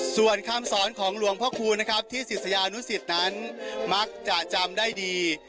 ส่วนคำสอนของหลวงพ่อคูณนะครับที่ศิษยานุสิตนั้นมักจะจำได้ดี